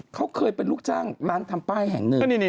เขาเคยเป็นลูกจ้างร้านทำป้ายแห่งหนึ่ง